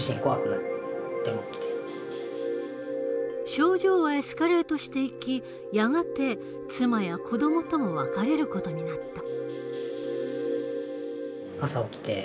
症状はエスカレートしていきやがて妻や子どもとも別れる事になった。